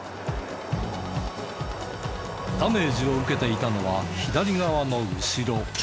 ダメージを受けていたのは左側の後ろ。